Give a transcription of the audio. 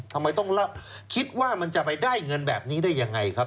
ทำไมต้องคิดว่ามันจะไปได้เงินแบบนี้ได้ยังไงครับ